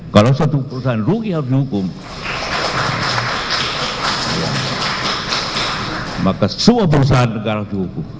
kalau suatu perusahaan rugi harus dihukum maka sebuah perusahaan negara harus dihukum